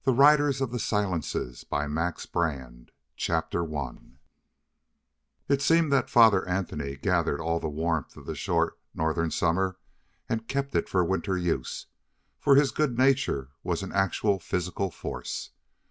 Riders of the Silences CHAPTER 1 It seemed that Father Anthony gathered all the warmth of the short northern summer and kept it for winter use, for his good nature was an actual physical force.